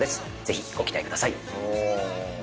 ぜひご期待ください。